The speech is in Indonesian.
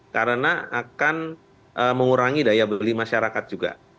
karena akan mengurangi daya beli masyarakat juga